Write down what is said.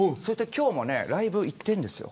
今日もライブ行ってるんですよ